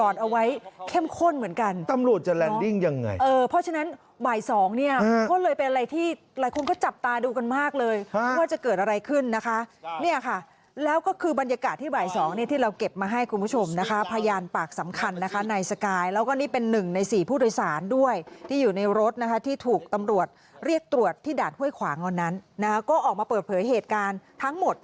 เรื่องคอลับชั่นหรือยังครับ